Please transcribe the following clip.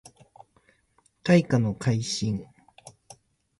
大化の改新